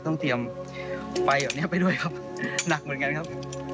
ต้องเตรียมไฟแบบนี้ไปด้วยครับหนักเหมือนกันครับ